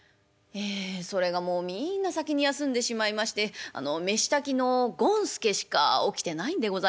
「ええそれがもうみんな先に休んでしまいまして飯炊きの権助しか起きてないんでございますが」。